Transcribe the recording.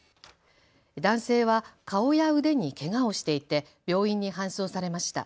男性は顔や腕にけがをしていて病院に搬送されました。